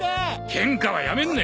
ケンカはやめんね！